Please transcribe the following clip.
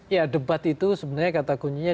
ya debat itu sebenarnya kata kuncinya